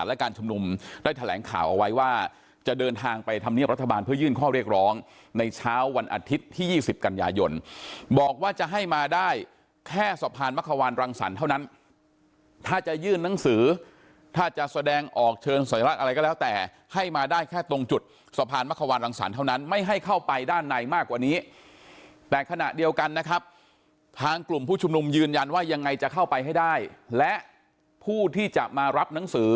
และการชมนุมได้แถลงข่าวเอาไว้ว่าจะเดินทางไปทำเนียบรัฐบาลเพื่อยื่นข้อเรียกร้องในเช้าวันอาทิตย์ที่๒๐กันยายนบอกว่าจะให้มาได้แค่สะพานมะขวานรังสรรเท่านั้นถ้าจะยื่นนังสือถ้าจะแสดงออกเชิญสัยรัฐอะไรก็แล้วแต่ให้มาได้แค่ตรงจุดสะพานมะขวานรังสรรเท่านั้นไม่ให้เข้าไปด้านในมากกว่านี้แต่ข